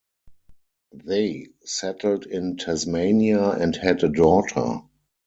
They settled in Tasmania and had a daughter.